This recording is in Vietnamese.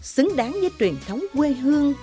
xứng đáng với truyền thống quê hương